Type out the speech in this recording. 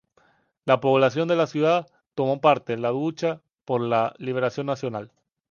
La población de la ciudad tomó parte en la lucha por la liberación nacional.